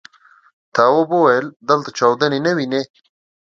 تواب وويل: دلته چاودنې نه وینې.